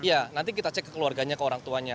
iya nanti kita cek ke keluarganya ke orang tuanya